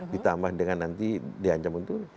ditambah dengan nanti diancam untuk